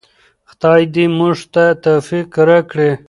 خدای دې موږ ته توفیق راکړي.